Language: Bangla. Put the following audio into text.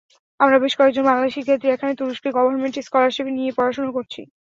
আমরা বেশ কয়েকজন বাংলাদেশি শিক্ষার্থী এখানে তুরস্কের গভর্নমেন্ট স্কলারশিপ নিয়ে পড়াশোনা করছি।